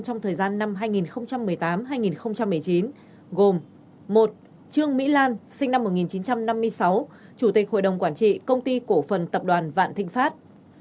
trong thời gian năm hai nghìn một mươi tám hai nghìn một mươi chín gồm một trương mỹ lan sinh năm một nghìn chín trăm năm mươi sáu chủ tịch hội đồng quản trị công ty cổ phần tập đoàn vạn thịnh pháp